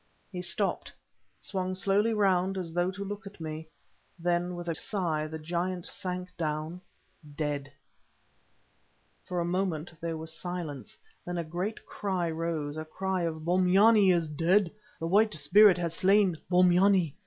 He stopped, swung slowly round as though to look at me: then with a sigh the giant sank down—dead. For a moment there was silence; then a great cry rose—a cry of "Bombyane is dead. The White Spirit has slain Bombyane.